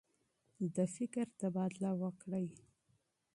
د نظر تبادله وکړئ.